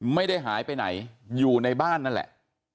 ไม่ได้หายไปไหนอยู่ในบ้านนั่นแหละ